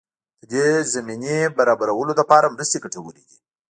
د دې زمینې برابرولو لپاره مرستې ګټورې دي.